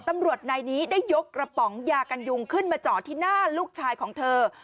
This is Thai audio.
ตำรวจนายนี้ได้ยกกระป๋องยากันยุงขึ้นมาเจาะที่หน้าลูกชายของเธอ